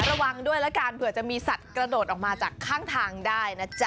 ระวังด้วยแล้วกันเผื่อจะมีสัตว์กระโดดออกมาจากข้างทางได้นะจ๊ะ